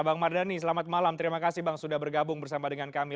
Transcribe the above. bang mardhani selamat malam terima kasih bang sudah bergabung bersama dengan kami